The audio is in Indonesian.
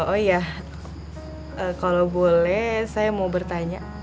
oh ya kalau boleh saya mau bertanya